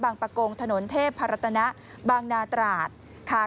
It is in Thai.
ปะโกงถนนเทพรัตนะบางนาตราดค่ะ